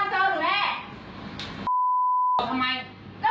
ก็ตกพี่ค่ะ